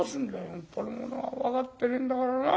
本当にもうな分かってねえんだからな。